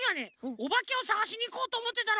おばけをさがしにいこうとおもってたの。